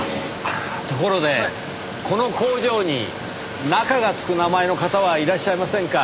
ところでこの工場に「中」がつく名前の方はいらっしゃいませんか？